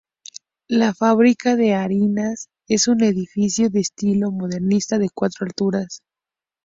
La Fábrica de Harinas es un edificio de estilo modernista de cuatro alturas.